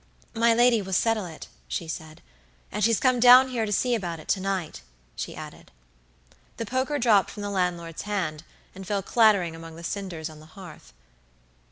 "My lady will settle it," she said, "and she's come down here to see about it to night," she added. The poker dropped from the landlord's hand, and fell clattering among the cinders on the hearth.